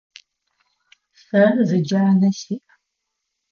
Сэ зы джанэ сиӏ.